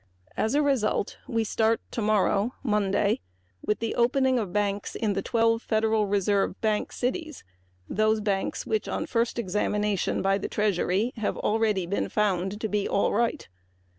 As a result, we start tomorrow, Monday, with the opening of banks in the twelve Federal Reserve Bank cities those banks which on first examination by the treasury have already been found to be all right.